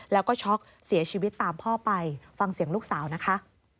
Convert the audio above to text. แล้วก็ช็อกเสียชีวิตตามพ่อไปฟังเสียงลูกสาวนะคะ